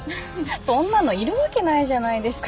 そんなのいるわけないじゃないですか。